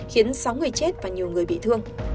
khiến sáu người chết và nhiều người bị thương